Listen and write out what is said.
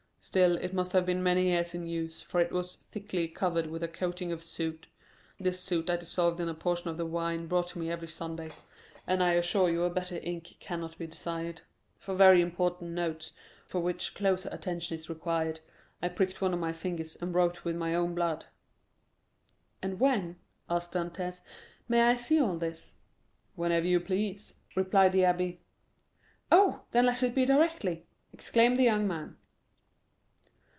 Still, it must have been many years in use, for it was thickly covered with a coating of soot; this soot I dissolved in a portion of the wine brought to me every Sunday, and I assure you a better ink cannot be desired. For very important notes, for which closer attention is required, I pricked one of my fingers, and wrote with my own blood." "And when," asked Dantès, "may I see all this?" "Whenever you please," replied the abbé. "Oh, then let it be directly!" exclaimed the young man.